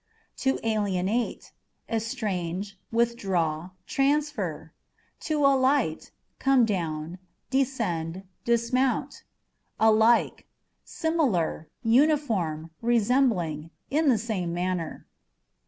To Alienate â€" estrange, withdraw, transfer. To Alight â€" come down, descend, dismount. Alike: â€" similar, uniform, resembling, in the same manner.